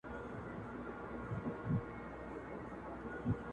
چا چي په غېږ کي ټينگ نيولی په قربان هم يم,